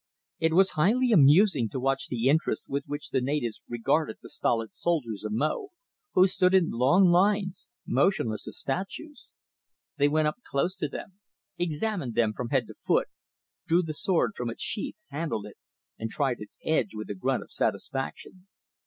It was highly amusing to watch the interest with which the natives regarded the stolid soldiers of Mo, who stood in long lines, motionless as statues. They went close up to them, examined them from head to foot, drew the sword from its sheath, handled it and tried its edge with a grunt of satisfaction.